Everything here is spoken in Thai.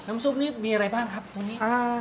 ซุปนี้มีอะไรบ้างครับวันนี้